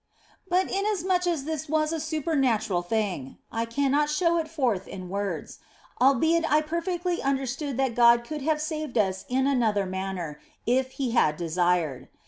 But inasmuch as this was a supernatural thing I cannot show it forth in words, albeit I perfectly understood that God could have saved us in another manner if He had de sired.